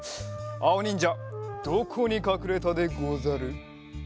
あおにんじゃどこにかくれたでござる？